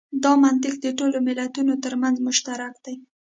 دا منطق د ټولو ملتونو تر منځ مشترک دی.